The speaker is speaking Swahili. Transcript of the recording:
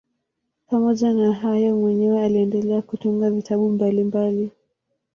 Pamoja na hayo mwenyewe aliendelea kutunga vitabu mbalimbali.